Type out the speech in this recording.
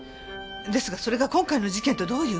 ですがそれが今回の事件とどういう？